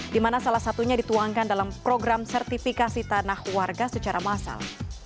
di mana salah satunya dituangkan dalam program sertifikasi tanah warga secara massal